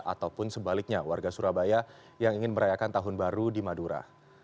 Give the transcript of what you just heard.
ataupun sebaliknya warga surabaya yang ingin merayakan tahun baru di madura